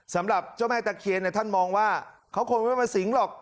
สำหรับเจ้าแม่ตะเคียนท่านมองว่าเขาคงไม่มาสิงหรอก